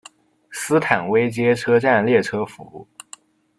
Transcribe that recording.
斯坦威街车站列车服务。